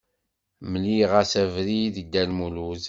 Mliɣ-as abrid i Dda Lmulud.